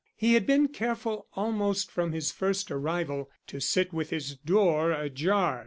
He had been careful almost from his first arrival to sit with his door ajar.